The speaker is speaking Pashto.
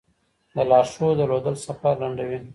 د لارښود درلودل سفر لنډوي.